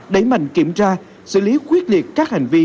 đẩy mạnh kiểm tra xử lý quyết liệt các hành vi